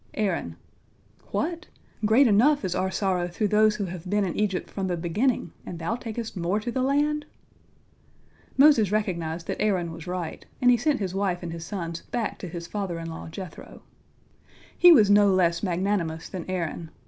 Aaron: "What! Great enough is our sorrow through those who have been in Egypt from the beginning, and thou takest more to the land?" Moses recognized that Aaron was right, and he sent his wife and his sons back to his father in law Jethro. He was no less magnanimous than Aaron.